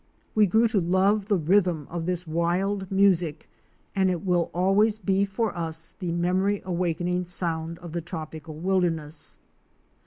We grew to love the rhythm of this wild music, and it will always be for us the memory awakening sound of the tropical wilderness.